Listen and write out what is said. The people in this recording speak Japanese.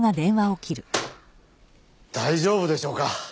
大丈夫でしょうか？